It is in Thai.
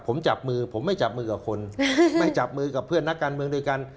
ผมจับมือผมไม่จับมือกับคนไม่จับมือกับเพื่อนนักการเมืองด้วยกัน